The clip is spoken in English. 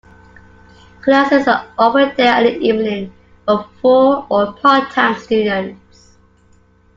Classes are offered day and evening, for full or part-time students.